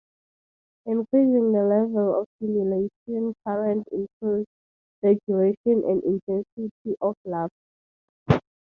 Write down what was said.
Increasing the level of stimulation current increased the duration and intensity of laughter.